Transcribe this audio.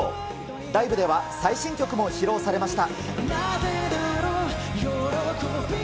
ライブでは最新曲も披露されました。